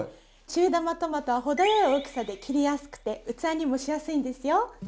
中玉トマトは程よい大きさで切りやすくて器にもしやすいんですよ。